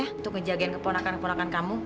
untuk ngejagain keponakan keponakan kamu